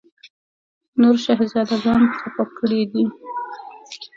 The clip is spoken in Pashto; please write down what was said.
نور شهزاده ګان خپه کړي دي.